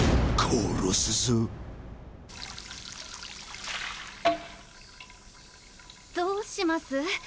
コンどうします？